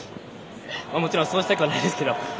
もちろんそうしたくはないですけど。